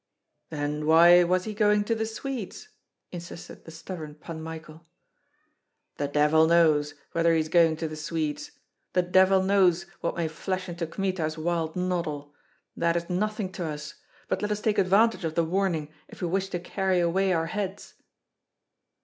"Then why was he going to the Swedes?" insisted the stubborn Pan Michael. "The devil knows, whether he is going to the Swedes; the devil knows what may flash into Kmita's wild noddle. That is nothing to us, but let us take advantage of the warning, if we wish to carry away our heads."